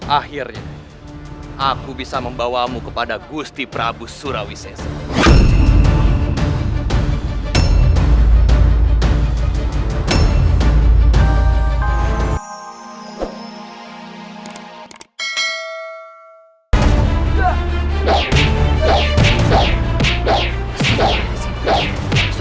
akhirnya aku bisa membawamu kepada gusti prabu surawi sese